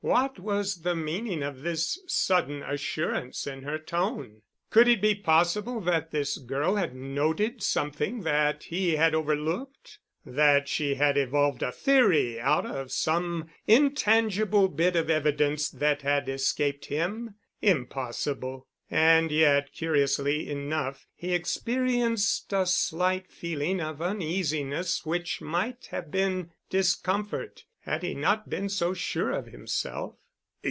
What was the meaning of this sudden assurance in her tone? Could it be possible that this girl had noted something that he had overlooked? That she had evolved a theory out of some intangible bit of evidence that had escaped him? Impossible. And yet curiously enough, he experienced a slight feeling of uneasiness which might have been discomfort had he not been so sure of himself.